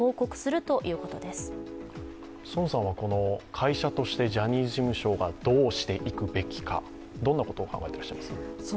会社としてジャニーズ事務所がどうしていくべきか、どんなことを考えていらっしゃいますか？